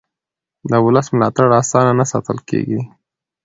د ولس ملاتړ اسانه نه ساتل کېږي